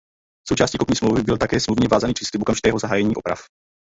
Součástí kupní smlouvy byl také smluvně vázaný příslib okamžitého zahájení oprav.